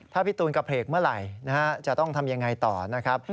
ถ้าพี่ตูนกระเพลกเมื่อไหร่จะต้องทำยังไงต่อนะครับ